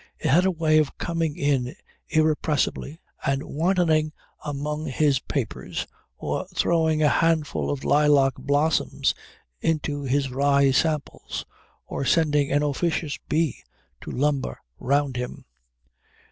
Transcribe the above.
It had a way of coming in irrepressibly and wantoning among his papers, or throwing a handful of lilac blossoms into his rye samples, or sending an officious bee to lumber round him.